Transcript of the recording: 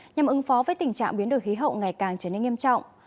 nhằm ứng phó với tình trạng biến đổi khí hậu ngày càng trở nên nghiêm trọng